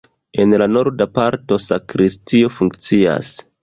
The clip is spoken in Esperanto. En la norda parto sakristio funkcias.